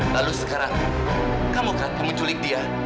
lalu sekarang kamu kan menculik dia